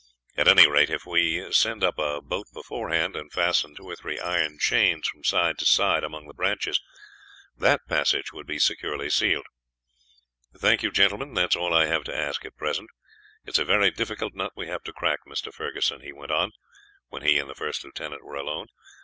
At any rate, if we send up a boat beforehand, and fasten two or three iron chains from side to side among the branches, that passage would be securely sealed. "Thank you, gentlemen; that is all I have to ask at present. It is a very difficult nut we have to crack, Mr. Ferguson," he went on, when he and the first lieutenant were alone.